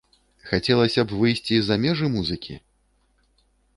Хацелася б выйсці за межы музыкі?